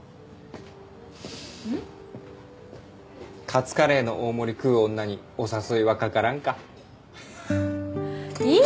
カツカレーの大盛り食う女にお誘いはかからんかはははっ。